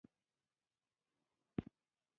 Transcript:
هېواد ته مینه پکار ده